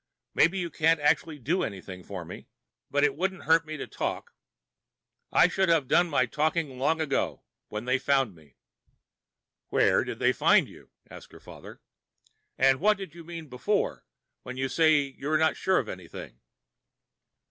Maybe you can't actually do anything for me, but it wouldn't hurt me to talk. I should have done my talking long ago. When they found me." "Where did they find you?" asked her father. "And what did you mean before, when you said you're not sure of anything?"